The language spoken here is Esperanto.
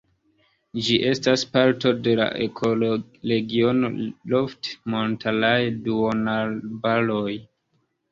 Ĝi estas parto de la ekoregiono lofti-montaraj duonarbaroj.